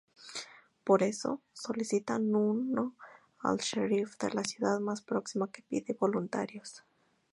Por eso, solicitan uno al sherif de la ciudad más próxima, que pide voluntarios.